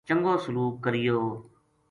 چنگو سلوک کریو